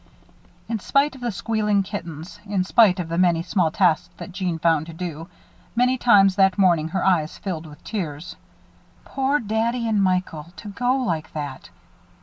In spite of the squealing kittens, in spite of the many small tasks that Jeanne found to do, many times that morning her eyes filled with tears. Poor daddy and Michael to go like that.